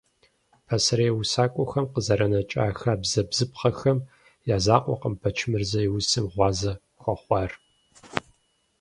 Пасэрей усакӀуэхэм къызэранэкӀа хабзэ-бзыпхъэхэм я закъуэкъым Бэчмырзэ и усэм гъуазэ хуэхъуар.